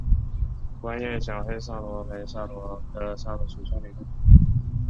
光叶小黑桫椤为桫椤科桫椤属下的一个变种。